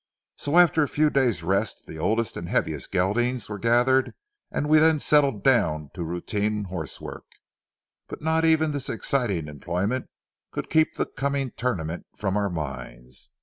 So after a few days' rest the oldest and heaviest geldings were gathered and we then settled down to routine horse work. But not even this exciting employment could keep the coming tournament from our minds.